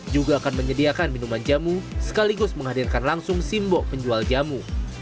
juga akan menyediakan minuman jamu sekaligus menghadirkan langsung simbok penjual jamu